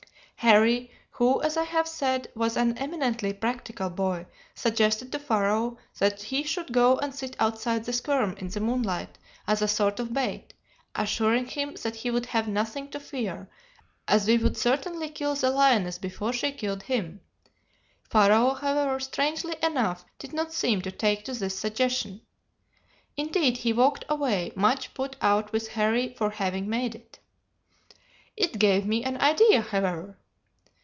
"Harry, who as I have said was an eminently practical boy, suggested to Pharaoh that he should go and sit outside the skerm in the moonlight as a sort of bait, assuring him that he would have nothing to fear, as we should certainly kill the lioness before she killed him. Pharaoh however, strangely enough, did not seem to take to this suggestion. Indeed, he walked away, much put out with Harry for having made it. "It gave me an idea, however.